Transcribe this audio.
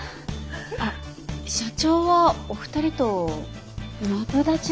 あ社長はお二人とマブダチだそうで。